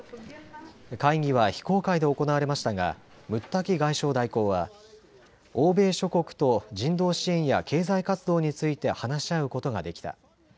会議は非公開で行われましたがムッタキ外相代行は欧米諸国と人道支援や経済活動について話し合うことができた。